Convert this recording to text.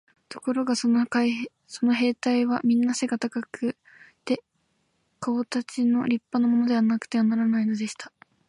ところがその兵隊はみんな背が高くて、かおかたちの立派なものでなくてはならないのでした。